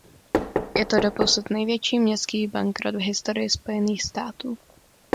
Je to doposud největší městský bankrot v historii Spojených států.